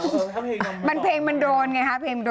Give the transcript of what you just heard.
โอ้โหมันเพลงมันโดนไงฮะเพลงมันโดน